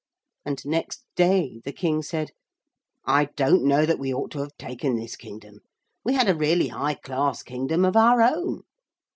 And next day the King said, 'I don't know that we ought to have taken this kingdom. We had a really high class kingdom of our own.'